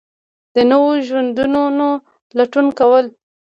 د نویو ژوندونو لټون کول